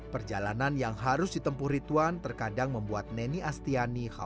perjalanan yang harus ditempu rituan terkadang membuat neni astiani khawatir